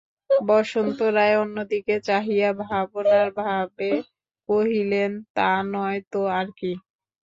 বসন্ত রায় অন্যদিকে চাহিয়া ভাবনার ভাবে কহিলেন, তা নয় তো আর কী।